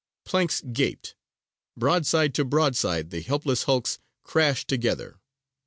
Planks gaped; broadside to broadside the helpless hulks crashed together.